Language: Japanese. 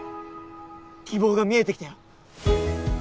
希望が見えてきたよ。